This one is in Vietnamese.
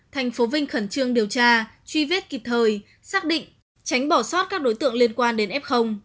thành phố vinh khẩn trương điều tra truy vết kịp thời xác định tránh bỏ sót các đối tượng liên quan đến f